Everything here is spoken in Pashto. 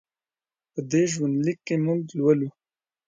په دې ژوند لیک کې موږ لولو.